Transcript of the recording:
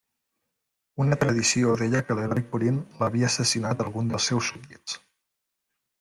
Una tradició deia que a l'heroi Corint l'havia assassinat algun dels seus súbdits.